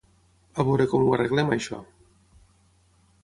A veure com ho arreglem això.